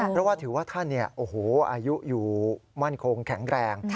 เพราะว่าถือว่าท่านอายุอยู่มั่นคงแข็งแรง